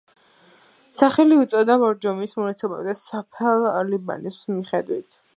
სახელი ეწოდა ბორჯომის მუნიციპალიტეტის სოფელ ლიბანის მიხედვით.